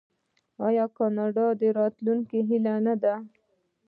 آیا کاناډا د راتلونکي هیله نه ده؟